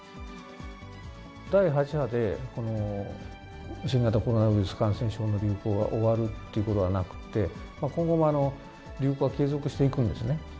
第８波でこの新型コロナウイルス感染症の流行は終わるということはなくって、今後も流行は継続していくんですね。